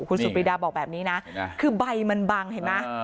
คุณสุปรีดาบอกแบบนี้นะคือใบมันบังเห็นไหม